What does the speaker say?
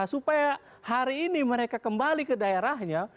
supaya hari ini mereka kembali ke daerahnya